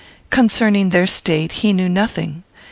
Concerning their state he knew nothing.